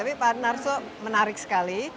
tapi pak narso menarik sekali